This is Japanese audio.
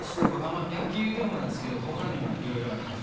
まぁ野球でもなんですけど他にもいろいろあります。